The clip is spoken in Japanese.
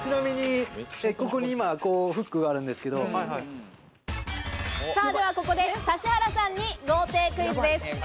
ここにフックがあるんですけどではここで指原さんに豪邸クイズです。